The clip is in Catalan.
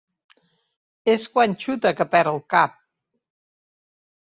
És quan xuta que perd el cap.